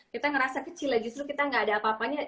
kita ngerasa kecil ya justru kita gak ada apa apanya